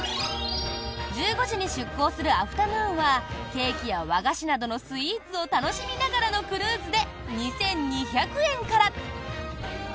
１５時に出航するアフタヌーンはケーキや和菓子などのスイーツを楽しみながらのクルーズで２２００円から。